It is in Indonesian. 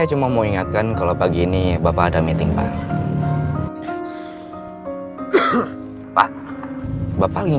itu meeting gak bisa dirubah jadi minggu depan